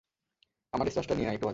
আমার এসরাজটা নিয়ে আয়, একটু বাজা।